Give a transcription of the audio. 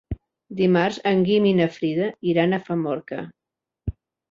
Dimarts en Guim i na Frida iran a Famorca.